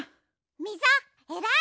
みぞえらい！